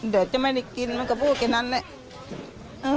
เดี๋ยวจะไม่ได้กินมันก็พูดแค่นั้นแหละ